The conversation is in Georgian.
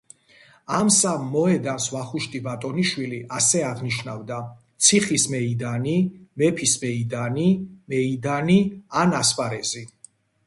ამ სამ მოედანს ვახუშტი ბატონიშვილი ასე აღნიშნავდა: „ციხის მეიდანი“, „მეფის მეიდანი“, „მეიდანი“ ან „ასპარეზი“.